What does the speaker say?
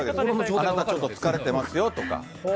あなた、ちょっと疲れてますよとか。